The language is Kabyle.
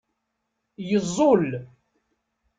Yeẓẓul.